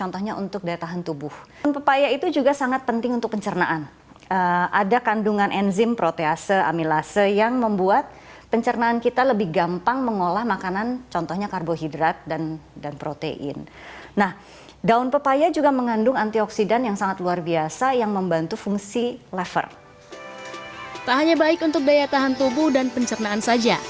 tak hanya baik untuk daya tahan tubuh dan pencernaan saja